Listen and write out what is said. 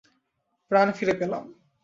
প্রাণ ফিরে পেলাম।